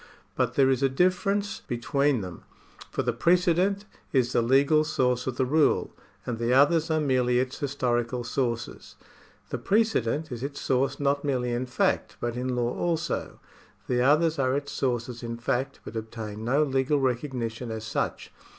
But there is a difference between them, for the precedent is the legal source of the rule, and the others are merely its historical sources. The precedent is its source not merely in fact, but in law also ; the others are its sources in fact, but obtain no legal recognition as such.